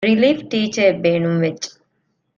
ރިލީފް ޓީޗަރ އެއް ބޭނުންވެއްޖެ